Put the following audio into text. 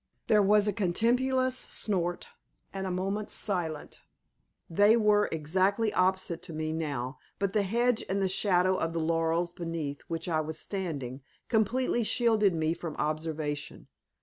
There was a contemptuous snort, and a moment's silence. They were exactly opposite to me now, but the hedge and the shadow of the laurels beneath which I was standing completely shielded me from observation.